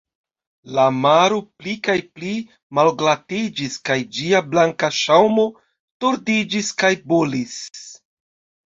La maro pli kaj pli malglatiĝis kaj ĝia blanka ŝaŭmo tordiĝis kaj bolis.